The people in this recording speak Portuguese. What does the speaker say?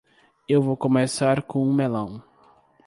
Eu vou começar com um melão.